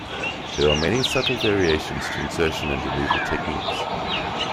There are many subtle variations to insertion and removal techniques.